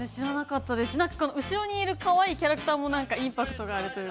後ろにいるかわいいキャラクターもインパクトがあるというか。